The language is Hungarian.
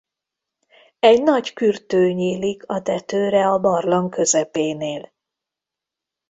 Egy nagy kürtő nyílik a tetőre a barlang közepénél.